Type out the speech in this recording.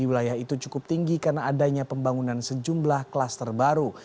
wilayah itu cukup tinggi karena adanya pembangunan sejumlah klaster baru